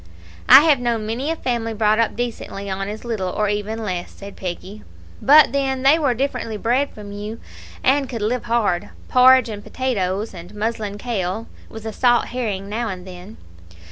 "I have known many a family brought up decently on as little, or even less," said Peggy; "but then they were differently bred from you and could live hard. Porridge and potatoes, and muslin kail, with a salt herring now and then."